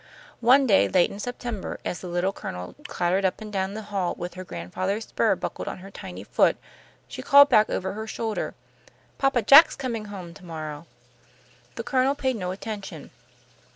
One day, late in September, as the Little Colonel clattered up and down the hall with her grandfather's spur buckled on her tiny foot, she called back over her shoulder: "Papa Jack's comin' home to morrow." The Colonel paid no attention.